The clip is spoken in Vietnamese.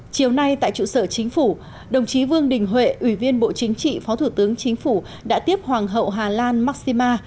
chiều nay tại trụ sở chính phủ đồng chí vương đình huệ ủy viên bộ chính trị phó thủ tướng chính phủ đã tiếp hoàng hậu hà lan markshima